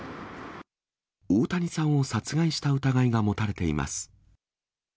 大谷さんを殺害した疑いが持たれています。